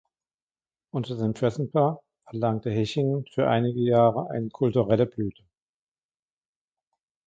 Unter dem Fürstenpaar erlangte Hechingen für einige Jahre eine kulturelle Blüte.